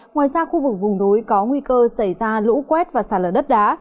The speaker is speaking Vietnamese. ngoài ra khu vực vùng núi có nguy cơ xảy ra lũ quét và sạt lở đất đá